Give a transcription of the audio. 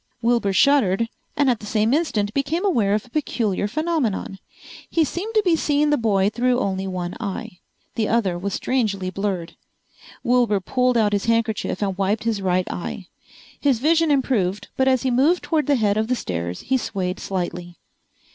Wilbur shuddered and at the same instant became aware of a peculiar phenomenon. He seemed to be seeing the boy through only one eye. The other was strangely blurred. Wilbur pulled out his handkershief and wiped his right eye. His vision improved but as he moved toward the head of the stairs he swayed slightly.